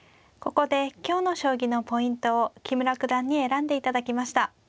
ここで今日の将棋のポイントを木村九段に選んでいただきました。